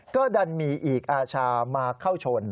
ก็ดันมีอีกอาชามาเข้าชน